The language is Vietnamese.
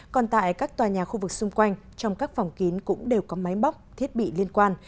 còn tại các tòa nhà khu vực xung quanh trong các phòng kín cũng đều có máy móc thiết bị liên quan